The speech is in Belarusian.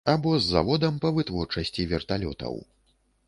Або з заводам па вытворчасці верталётаў.